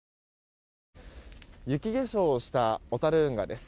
雪化粧をした小樽運河です。